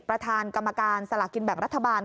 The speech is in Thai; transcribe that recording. ประธานกรรมการสลากินแบ่งรัฐบาล